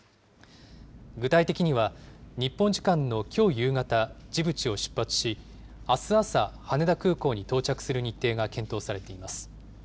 具体的には、日本時間のきょう夕方、ジブチを出発し、あす朝、羽田空港に到着する日程が検討されています。